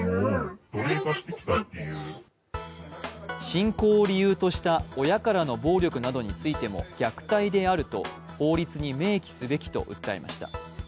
信仰を理由とした親からの暴力などについても虐待であると法律に明記すべきと訴えました。